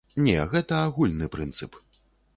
Не, гэта агульны прынцып.